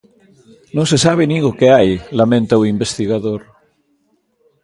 Non se sabe nin o que hai, lamenta o investigador.